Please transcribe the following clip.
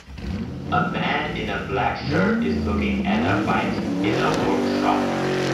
A man in a black shirt is looking at a bike in a workshop.